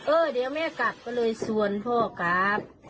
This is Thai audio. เออเดี๋ยวแม่กลับก็เลยชวนพ่อกลับ